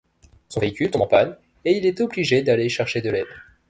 Son véhicule tombe en panne et il est obligé d'aller chercher de l'aide.